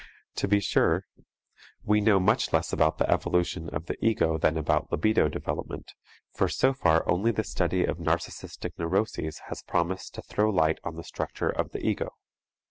To be sure, we know much less about the evolution of the ego than about libido development, for so far only the study of narcistic neuroses has promised to throw light on the structure of the ego.